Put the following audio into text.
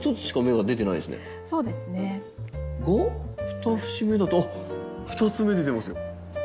が２節目だと２つ芽出てますよ。